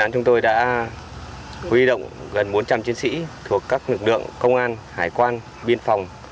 chúng tôi đã huy động gần bốn trăm linh chiến sĩ thuộc các lực lượng công an hải quan biên phòng